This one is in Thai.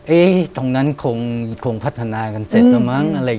เอ๊ะตรงนั้นคงพัฒนากันเสร็จแล้วมั้ง